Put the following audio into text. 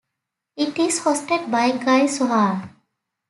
It is hosted by Guy Zohar.